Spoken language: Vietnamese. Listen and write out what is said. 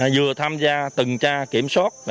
vừa tham gia từng tra kiểm soát